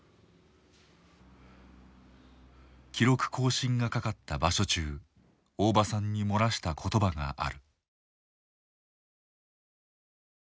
記録更新がかかった場所中大庭さんに漏らした言葉がある。